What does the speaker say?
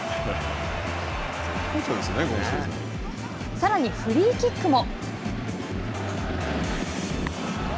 さらにフリーキックも。